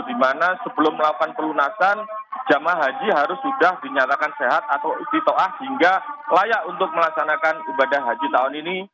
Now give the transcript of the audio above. dimana sebelum melakukan perlunasan jemaah haji harus sudah dinyatakan sehat atau isti to ah hingga layak untuk melaksanakan ibadah haji tahun ini